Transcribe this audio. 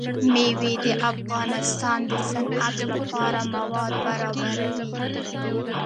مېوې د افغانستان د صنعت لپاره مواد برابروي.